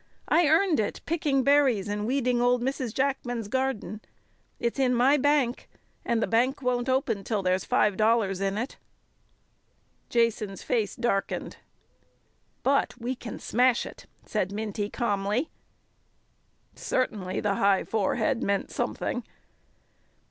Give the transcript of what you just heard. I earned it picking berries and weeding old Mrs. Jackman's garden. It's in my bank, and the bank won't open till there's five dollars in it." Jason's face darkened. "But we can smash it," said Minty calmly. Certainly the high forehead meant something.